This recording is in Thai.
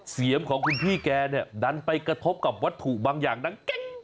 เสียงของคุณพี่แกเนี่ยดันไปกระทบกับวัตถุบางอย่างดังเก่ง